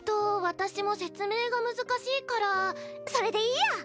私も説明が難しいからそれでいいや！